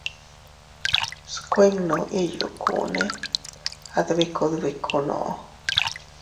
Skuinnu iyukune adbiku dbikunoo.